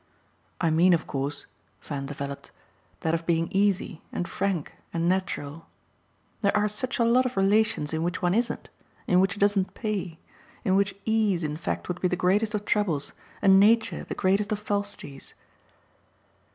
I mean of course," Van developed, "that of being easy and frank and natural. There are such a lot of relations in which one isn't, in which it doesn't pay, in which 'ease' in fact would be the greatest of troubles and 'nature' the greatest of falsities.